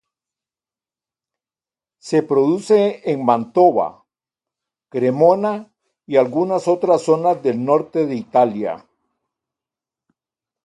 Se produce en Mantova, Cremona y algunas otras zonas del norte de Italia.